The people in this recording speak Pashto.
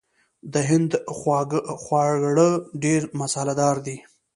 د هند خواړه ډیر مساله دار دي.